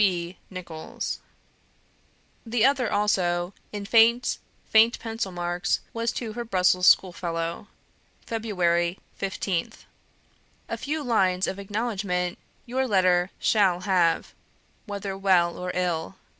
"C. B. NICHOLLS." The other also in faint, faint pencil marks was to her Brussels schoolfellow. "Feb. 15th. "A few lines of acknowledgment your letter SHALL have, whether well or ill.